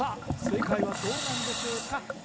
正解はどうなんでしょうか